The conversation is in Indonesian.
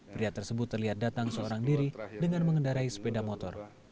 pria tersebut terlihat datang seorang diri dengan mengendarai sepeda motor